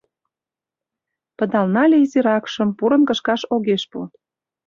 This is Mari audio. Пыдал нале изиракшым Пурын кышкаш огеш пу.